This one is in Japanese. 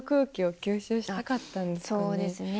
そうですね。